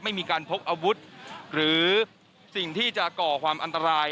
ไม่มีการพกอาวุธหรือสิ่งที่จะก่อความอันตราย